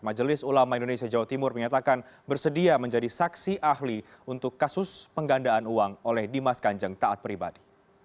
majelis ulama indonesia jawa timur menyatakan bersedia menjadi saksi ahli untuk kasus penggandaan uang oleh dimas kanjeng taat pribadi